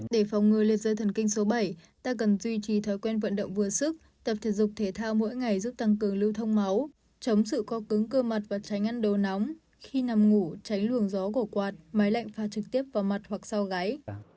để phòng ngừa liệt rơi thần kinh số bảy ta cần duy trì thói quen vận động vừa sức tập thể dục thể thao mỗi ngày giúp tăng cường lưu thông máu chống sự co cứng cơ mặt và tránh ăn đồ nóng khi nằm ngủ tránh luồng gió của quạt máy lạnh pha trực tiếp vào mặt hoặc sau gáy